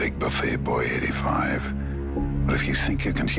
เขาว่าอย่างไร